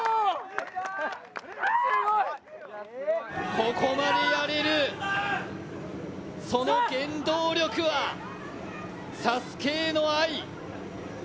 ここまでやれる、その原動力はＳＡＳＵＫＥへの愛。